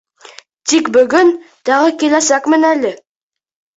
Тик бөгөн тағы киләсәкмен әле!